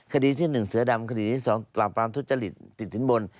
คดีที่๑เสื้อดำคดีที่๒หลักปรามทุชฯลิตติดถึงบน